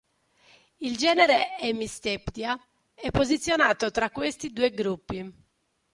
Il genere "Hemisteptia" è posizionato tra questi due gruppi.